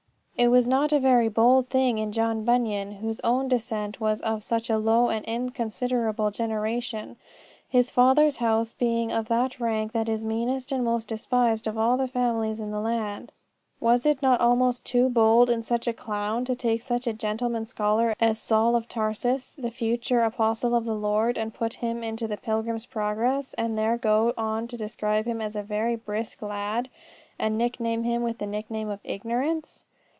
was it not a very bold thing in John Bunyan, whose own descent was of such a low and inconsiderable generation, his father's house being of that rank that is meanest and most despised of all the families in the land was it not almost too bold in such a clown to take such a gentleman scholar as Saul of Tarsus, the future Apostle of the Lord, and put him into the Pilgrim's Progress, and there go on to describe him as a very brisk lad and nickname him with the nickname of Ignorance?